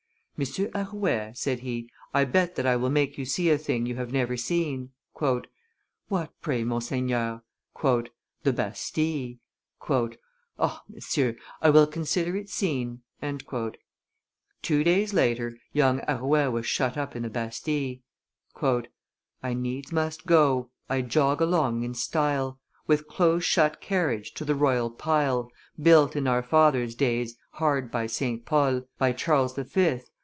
"Monsieur Arouet," said he, "I bet that I will make you see a thing you have never seen." "What, pray, monseigneur?" "The Bastille." "Ah! monseigneur, I will consider it seen." Two days later, young Arouet was shut up in the Bastille. I needs must go; I jog along in style, With close shut carriage, to the royal pile Built in our fathers' days, hard by St. Paul, By Charles the Fifth.